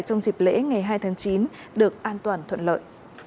trong dịp lễ ngày hai tháng chín được an toàn thuận lợi